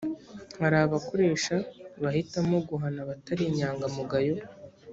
hari abakoresha bahitamo guhana abatari inyangamugayo